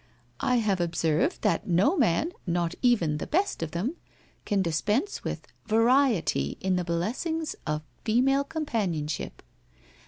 I have observed that no man, not even the best of them, can dispense with variety in the blessings of female companionship.